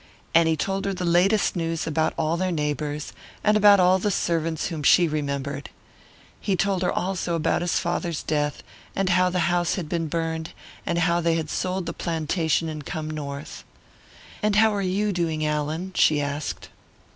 And he told her the latest news about all their neighbours, and about all the servants whom she remembered. He told her also about his father's death, and how the house had been burned, and how they had sold the plantation and come North. "And how are you doing, Allan?" she asked.